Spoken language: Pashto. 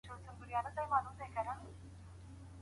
په قلم خط لیکل د ښو اړیکو د ساتلو لاره ده.